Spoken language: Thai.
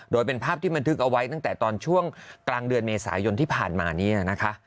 โดยเป็นภาพที่บันทึกเอาไว้ตั้งแต่ตอนช่วงกลางเดือนเมษายนที่ผ่านมาเนี่ยนะคะ